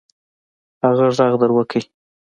هغه ږغ در وکړئ.